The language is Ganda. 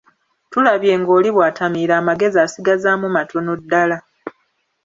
Tulabye ng'oli bw'atamiira amagezi asigazaamu matono ddala.